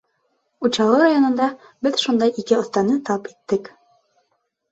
Учалы районында беҙ шундай ике оҫтаны тап иттек.